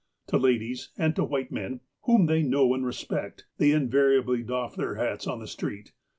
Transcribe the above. To ladies, and to white men, whom they know and respect, they invariably doff their hats on the street.